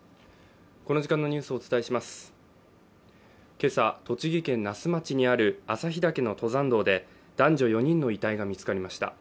今朝、栃木県那須町にある朝日岳の登山道で男女４人の遺体が見つかりました。